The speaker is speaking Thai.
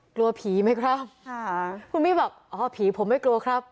กลัวผีไหมครับค่ะคุณมี่บอกอ๋อผีผมไม่กลัวครับ